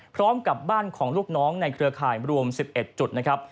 พร้อมกับบ้านของลูกน้องในเครือข่ายรวม๑๑จุดนะครับ